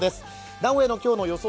名古屋の今日の予想